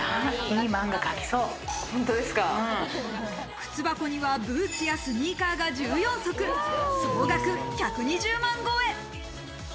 靴箱にはブーツやスニーカーが１４足、総額１２０万超え。